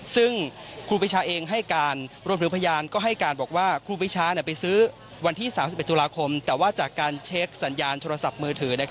ซึ่งครูปีชาเองให้การรวมถึงพยานก็ให้การบอกว่าครูปีชาไปซื้อวันที่๓๑ตุลาคมแต่ว่าจากการเช็คสัญญาณโทรศัพท์มือถือ